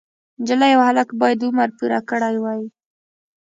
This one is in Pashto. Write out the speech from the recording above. نجلۍ او هلک باید عمر پوره کړی وای.